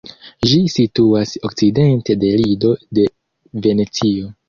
Ĝi situas okcidente de Lido de Venecio.